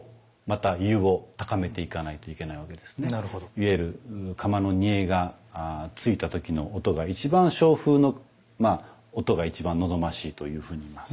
いわゆる釜の煮えがついた時の音が一番松風の音が一番望ましいというふうに言います。